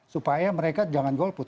supaya mereka jangan golput